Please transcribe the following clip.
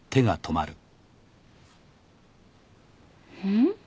ん？